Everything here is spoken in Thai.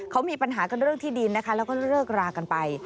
เขามีปัญหากันเรื่องที่ดินนะคะแล้วก็เลิกรากันไป